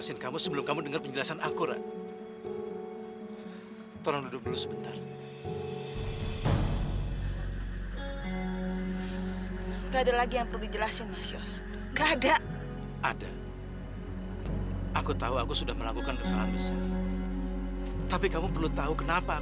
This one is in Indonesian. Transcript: sampai jumpa di video selanjutnya